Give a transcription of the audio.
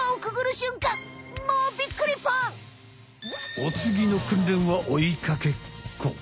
おつぎのくんれんは追いかけっこ。